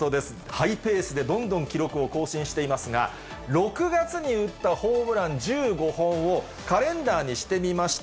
ハイペースでどんどん記録を更新していますが、６月に打ったホームラン１５本を、カレンダーにしてみました。